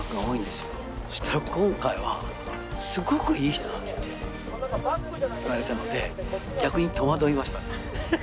よそしたら今回はすごくいい人だって言われたので逆にとまどいましたね